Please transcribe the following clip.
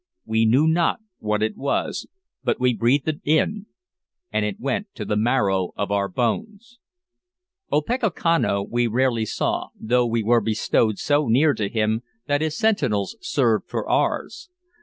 We knew not what it was, but we breathed it in, and it went to the marrow of our bones. Opechancanough we rarely saw, though we were bestowed so near to him that his sentinels served for ours.